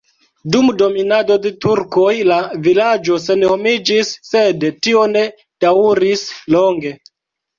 Dum dominado de turkoj la vilaĝo senhomiĝis, sed tio ne daŭris longe.